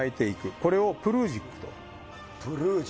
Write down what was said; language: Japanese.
これをプルージックと。